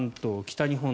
北日本